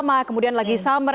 lama kemudian lagi summer